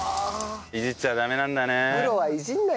いじっちゃダメなんだね。